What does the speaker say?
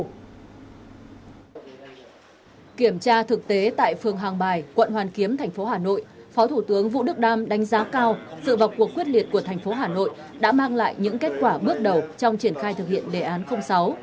kiểm tra thực tế tại phường hàng bài quận hoàn kiếm tp hà nội phó thủ tướng vũ đức đam đánh giá cao sự vọc cuộc quyết liệt của tp hà nội đã mang lại những kết quả bước đầu trong triển khai thực hiện đề án sáu